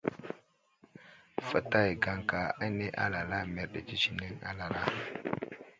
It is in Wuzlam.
Fətay gaŋka ane alala mərdi tətsəneŋ alala.